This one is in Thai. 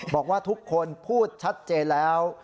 บอกว่าทุกคนพูดชัดเจนแล้ว